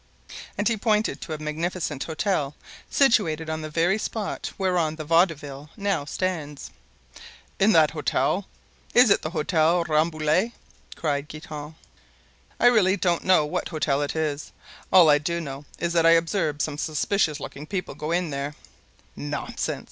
And he pointed to a magnificent hotel situated on the very spot whereon the Vaudeville now stands. "In that hotel? it is the Hotel Rambouillet," cried Guitant. "I really don't know what hotel it is; all I do know is that I observed some suspicious looking people go in there——" "Nonsense!"